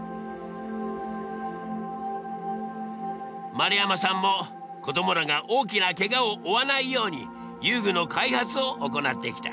丸山さんも子供らが大きなケガを負わないように遊具の開発を行ってきた。